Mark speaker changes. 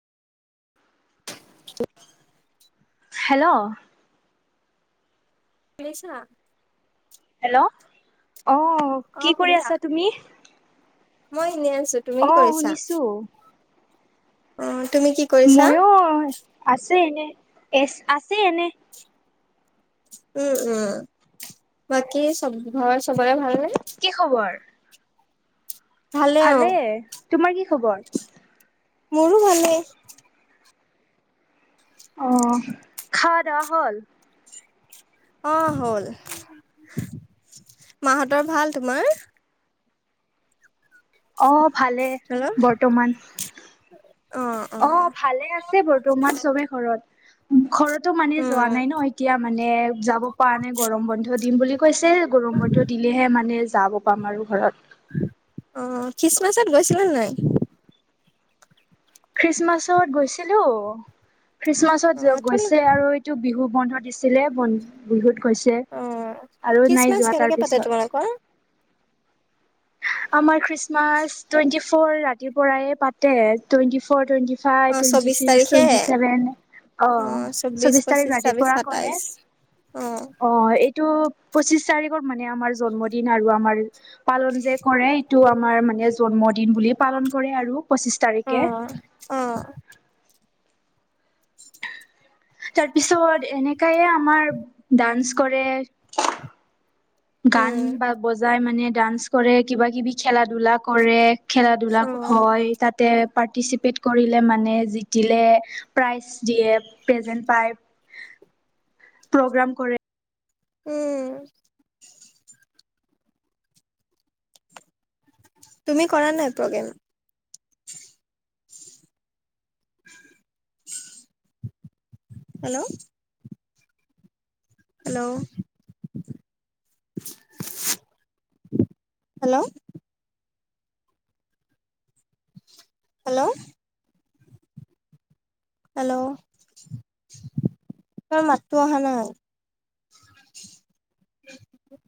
Speaker 1: [inaudible]
Speaker 2: Hello
Speaker 1: বিলিশা
Speaker 2: হেল্ল'অ
Speaker 1: অ
Speaker 2: কি কৰি
Speaker 1: শুনিছা
Speaker 2: আছা তুমি
Speaker 1: মই শিনি আছো তুমি
Speaker 2: অ
Speaker 1: কৰিছা
Speaker 2: শুনিছো।
Speaker 1: অ তুমি কি কৰিছা
Speaker 2: মইয়ো আছে এনে এছ আছে এনে
Speaker 1: উম উম বাকী চব ভাবাৰ চবৰে ভাল নে
Speaker 2: কি খবৰ ভালে তোমাৰ কি খবৰ
Speaker 1: মোৰো ভালে
Speaker 2: অ খাৱা দা হল
Speaker 1: অ হ'ল মাহতৰ ভাল তোমাৰ
Speaker 2: অ ভালে
Speaker 1: হেল্ল'
Speaker 2: বৰ্তমান অ ভালে আছে বৰ্তমান চবে ঘৰত ঘৰতো মানে যোৱা
Speaker 1: উম
Speaker 2: নাই ন এতিয়া মানে যাব পৰা নাই গৰম বন্ধ দিম বুলি কৈছে গৰম বন্ধ দিলেহে মানে যাব পাম আৰু ঘৰত
Speaker 1: অ খ্ৰীষ্টমাছত গৈছিলে নে নাই
Speaker 2: খ্ৰীষ্টমাছত গৈছিলো
Speaker 1: অ
Speaker 2: খ্ৰীষ্টমাছত
Speaker 1: তোন
Speaker 2: গৈছে আৰু এইটো বিহু বন্ধত দিছিলে বন বিহুত গৈছে
Speaker 1: অ
Speaker 2: আৰু নাই
Speaker 1: খ্ৰীষ্টমাছ
Speaker 2: যোৱা
Speaker 1: কেনেকে
Speaker 2: তাৰ
Speaker 1: পাতে
Speaker 2: পিছত
Speaker 1: তোমালোকৰ
Speaker 2: আমাৰ খ্ৰীষ্টমাছ টুৱেণ্টি ফৰ ৰাতিৰ পৰা পাতে টুৱেটি ফ টুৱেটি
Speaker 1: অ
Speaker 2: ফাইভ টুৱেণ্টি
Speaker 1: চৌবিশ
Speaker 2: ছিক্স
Speaker 1: তাৰিখে
Speaker 2: টুৱেণ্টি চছেভেন অ চৌবিশ তাৰিখ
Speaker 1: পঁচিশ
Speaker 2: ৰাতিৰ
Speaker 1: ছাব্বিশ
Speaker 2: পৰা কৰে
Speaker 1: সাতাইশ
Speaker 2: অ এইটো পঁচিশ তাৰিখৰ মানে আমাৰ জন্মদিন আৰু আমাৰ পালন যে কৰে এইটো টো আমাৰ মানে জন্মদিন বুলি পালন কৰে আৰু পঁচিছ
Speaker 1: অ
Speaker 2: তাৰিখে
Speaker 1: অ
Speaker 2: তাৰ পিছত এনেকাইে আমাৰ ডান্স কৰে গান
Speaker 1: উম
Speaker 2: বা বজাই মানে ডান্স কৰে কিবা কিবি খেলা ধূলা কৰে খেলা ধূলা
Speaker 1: অ
Speaker 2: হয় তাত তে পাৰ্টিচিপেট কৰিলে মানে জতিলে প্ৰাইজ দিয়ে প্ৰেজেণ্ট পায় প্ৰগ্ৰাম কৰে
Speaker 1: উম তুমি কৰা নাই programme [inaudible] hello hello hello hello hello ত মাতটো অহা নাই